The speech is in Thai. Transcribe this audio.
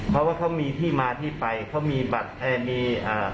เพราะว่าเขามีที่มาที่ไปเขามีบัตรเอ่อมีอ่า